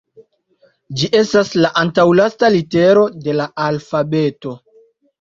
Ĝi estas la antaŭlasta litero de la alfabeto.